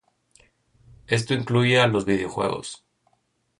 Esto incluye a los videojuegos.